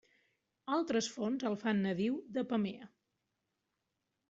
Altres fonts el fan nadiu d'Apamea.